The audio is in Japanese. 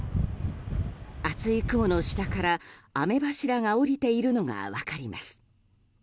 厚い雲の下から雨柱が降りているのが分かります。